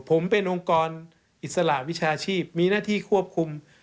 ผมเป็นองค์กรอิสระวิชาชีพมีหน้าที่ควบคุม